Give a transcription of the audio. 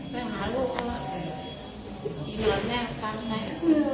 ไปหาโรคเขาอ่ะที่นอนแม่ตามแม่